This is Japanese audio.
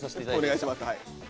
お願いします。